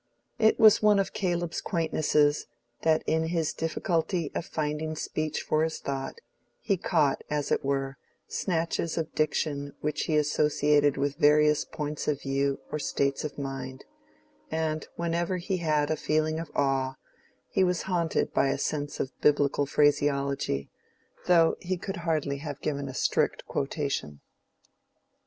It was one of Caleb's quaintnesses, that in his difficulty of finding speech for his thought, he caught, as it were, snatches of diction which he associated with various points of view or states of mind; and whenever he had a feeling of awe, he was haunted by a sense of Biblical phraseology, though he could hardly have given a strict quotation.